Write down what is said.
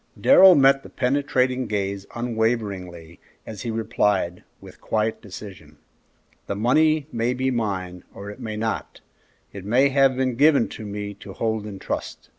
Darrell met the penetrating gaze unwaveringly, as he replied, with quiet decision, "That money may be mine, or it may not; it may have been given me to hold in trust.